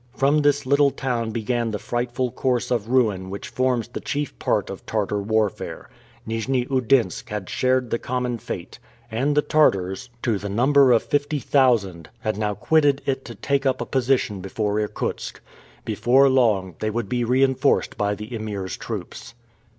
From this little town began the frightful course of ruin which forms the chief part of Tartar warfare. Nijni Oudinsk had shared the common fate, and the Tartars, to the number of fifty thousand, had now quitted it to take up a position before Irkutsk. Before long, they would be reinforced by the Emir's troops.